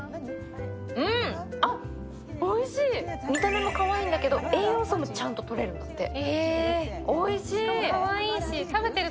見た目もかわいいんだけど栄養素もちゃんととれるんだって。